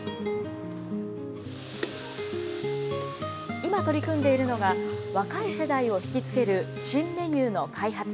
今取り組んでいるのが、若い世代を引き付ける新メニューの開発。